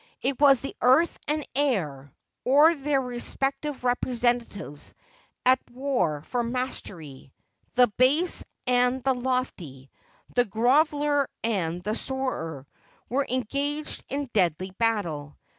It was the earth and air (or their respective representatives) at war for mastery; the base and the lofty, the groveller and the soarer, were engaged in deadly battle.